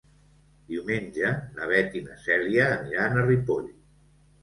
Diumenge na Beth i na Cèlia aniran a Ripoll.